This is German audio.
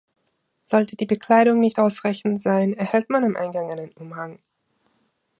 Sollte die Bekleidung nicht ausreichend sein, erhält man am Eingang einen Umhang.